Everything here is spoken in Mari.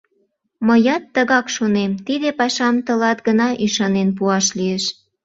— Мыят тыгак шонем: тиде пашам тылат гына ӱшанен пуаш лиеш.